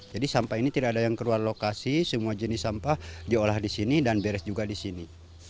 sampah ini tidak ada yang keluar lokasi semua jenis sampah diolah di sini dan beres juga di sini